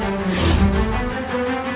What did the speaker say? aku akan pergi ke istana yang lain